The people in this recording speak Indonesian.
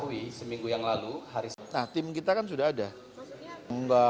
nah tim kita kan sudah ada